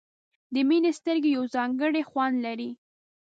د مینې سترګې یو ځانګړی خوند لري.